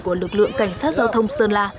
của lực lượng cảnh sát giao thông sơn la